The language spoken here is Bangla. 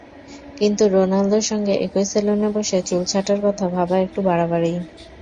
কিন্তু রোনালদোর সঙ্গে একই সেলুনে বসে চুল ছাঁটার কথা ভাবা একটু বাড়াবাড়িই।